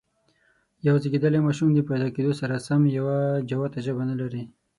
یو زېږيدلی ماشوم د پیدا کېدو سره سم یوه جوته ژبه نه لري.